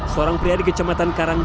seorang pria di kecamatan karang